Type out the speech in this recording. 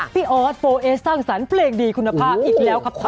พี่ออสโปเอสสั่งสรรค์เปรกดีคุณภาพอีกแล้วครับค่ะ